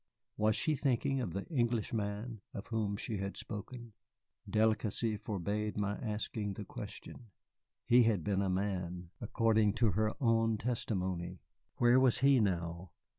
Was she thinking of the Englishman of whom she had spoken? Delicacy forbade my asking the question. He had been a man, according to her own testimony. Where was he now?